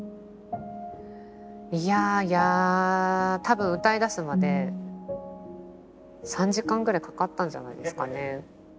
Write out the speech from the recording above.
いや多分歌いだすまで３時間ぐらいかかったんじゃないですかね。